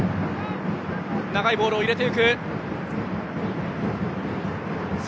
長いボールを入れていきます。